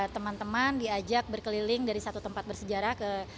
teman teman diajak berkeliling dari satu tempat bersejarah ke